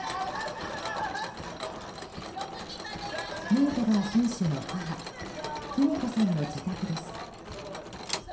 ヌートバー選手の母久美子さんの自宅です。